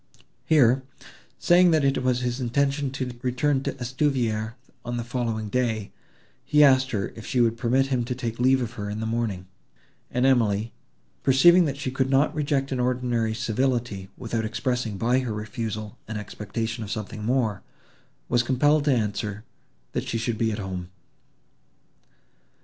Here, saying, that it was his intention to return to Estuvière on the following day, he asked her if she would permit him to take leave of her in the morning; and Emily, perceiving that she could not reject an ordinary civility, without expressing by her refusal an expectation of something more, was compelled to answer, that she should be at home.